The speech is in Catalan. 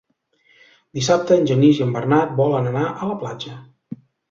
Dissabte en Genís i en Bernat volen anar a la platja.